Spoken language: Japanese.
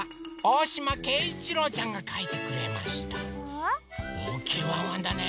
おおきいワンワンだね！